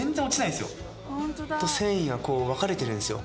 繊維がこう分かれてるんですよ。